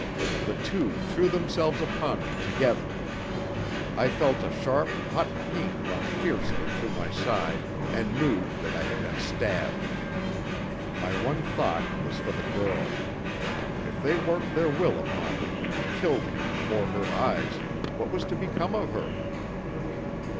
The two threw themselves upon me together. I felt a sharp, hot pain run fiercely through my side, and knew that I had been stabbed. My one thought was for the girl. If they worked their will upon me, and killed me before her eyes, what was to become of her?